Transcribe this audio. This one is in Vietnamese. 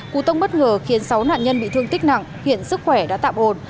cú tông bất ngờ khiến sáu nạn nhân bị thương tích nặng hiện sức khỏe đã tạm ổn